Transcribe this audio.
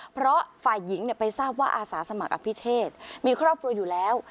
เพราะฝ่ายหญิงไปทราบว่าอาสาสมัครอภิเชษมีครอบครัวอยู่แล้ว